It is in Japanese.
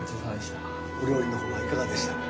お料理の方はいかがでしたか。